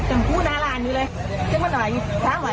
จัดกระบวนพร้อมกัน